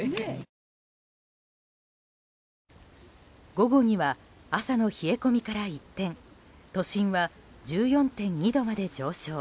午後には朝の冷え込みから一転都心は１４．２度まで上昇。